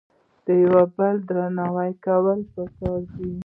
د یو بل درناوی کول په کار دي